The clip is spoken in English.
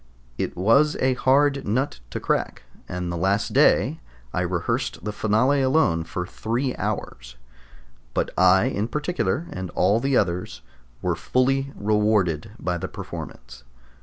It was a hard nut to crack, and the last day I rehearsed the finale alone for three hours; but I in particular, and all the others, were fully rewarded by the performance.